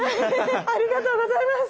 ありがとうございます！